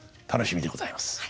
楽しみでございます。